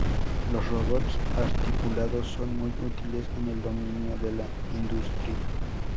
Los robots articulados son muy útiles en el dominio de la industria.